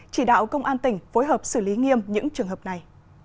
chỉ đạo công an tỉnh phối hợp xử lý nghiêm những trường hợp này